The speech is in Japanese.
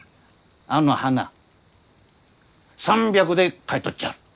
あの花３００で買い取っちゃる！